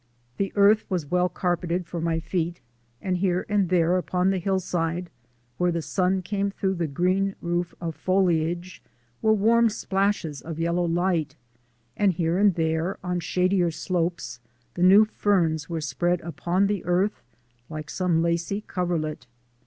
The earth was well carpeted for my feet, and here and there upon the hillside, where the sun came through the green roof of foliage, were warm splashes Of yellow light, and here and there, on shadier slopes, the new ferns were spread upon the earth like some lacy coverlet.